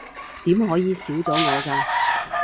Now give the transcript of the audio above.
點可以少咗我㗎